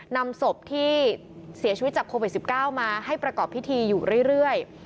นำศพที่เสียชีวิตจากโควิด๑๙มาให้ประกอบพิธีอยู่เรื่อย